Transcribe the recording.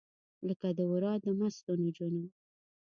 لکه ورا د مستو نجونو